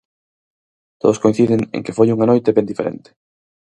Todos coinciden en que foi unha noite ben diferente.